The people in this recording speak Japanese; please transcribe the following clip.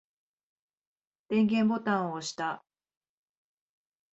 電源ボタンを押した。